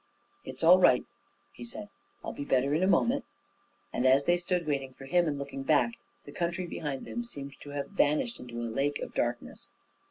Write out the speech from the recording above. "It's all right," he said. "I'll be better in a moment," and as they stood waiting for him and looking back, the country behind them seemed to have vanished into a lake of darkness.